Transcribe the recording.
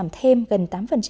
thêm gần tám